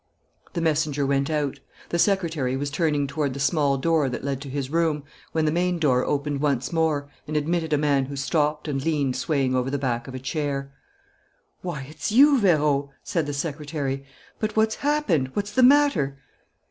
The messenger went out. The secretary was turning toward the small door that led to his room, when the main door opened once more and admitted a man who stopped and leaned swaying over the back of a chair. "Why, it's you, Vérot!" said the secretary. "But what's happened? What's the matter?"